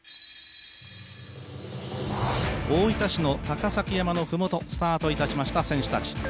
大分市の高崎山の麓、スタートいたしました選手たち